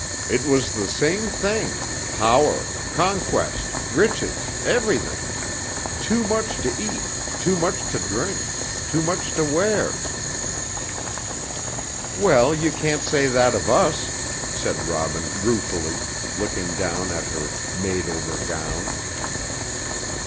It was the same thing, power, conquest, riches, everything; too much to eat, too much to drink, too much to wear " "Well, you can't say that of us," said Robin ruefully, looking down at her made over gown.